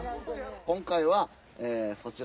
今回はそちらの。